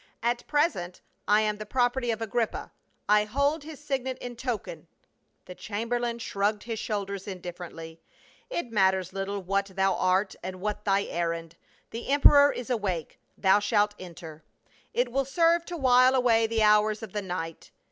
" At present I am the property of Agrippa. I hold his signet in token —" The chamberlain shrugged his shoulders indiffer ently. " It matters little what thou art and what thy errand. The emperor is awake ; thou shalt enter. It will serve to while away the hours of the night."